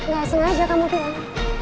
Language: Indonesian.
gak sengaja kamu bilang